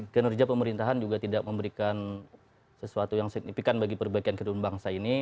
kinerja pemerintahan juga tidak memberikan sesuatu yang signifikan bagi perbaikan kedua bangsa ini